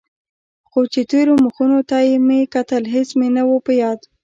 خو چې تېرو مخونو ته مې کتل هېڅ مې نه و په ياد.